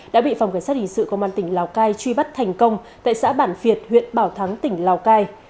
đã bị phòng cảnh sát hình sự công an tỉnh lào cai truy bắt thành công tại xã bản việt huyện bảo thắng tỉnh lào cai